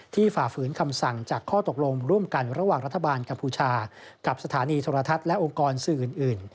ฝ่าฝืนคำสั่งจากข้อตกลงร่วมกันระหว่างรัฐบาลกัมพูชากับสถานีโทรทัศน์และองค์กรสื่ออื่น